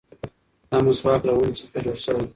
دا مسواک له ونې څخه جوړ شوی دی.